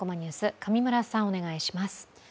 上村さん、お願いします。